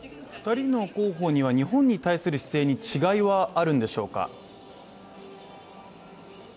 ２人の候補には日本に対する姿勢に違いはあるんでしょうか？